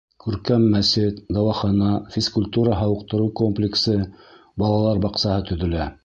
Күркәм мәсет, дауахана, физкультура-һауыҡтырыу комплексы, балалар баҡсаһы төҙөлә.